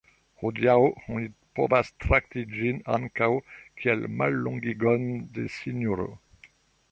Hodiaŭ oni povas trakti ĝin ankaŭ kiel mallongigon de sinjoro.